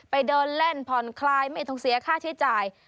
ไปเดินเล่นผ่อนคลายไม่ต้องเสียค่าใช้จ่าย